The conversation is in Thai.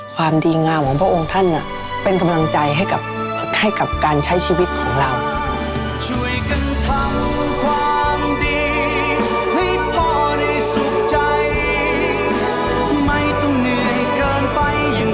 ความดีงามของพระองค์ท่านเป็นกำลังใจให้กับการใช้ชีวิตของเรา